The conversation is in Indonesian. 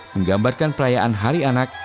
menggambarkan perayaan hari anak